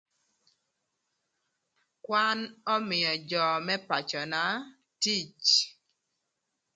Kwan ömïö jö më pacöna tic.